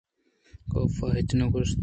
کاف ءَ ہچ نہ گوٛشت